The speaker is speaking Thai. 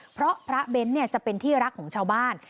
เพราะพระเบ้นจะเป็นที่รักของชาวบ้าน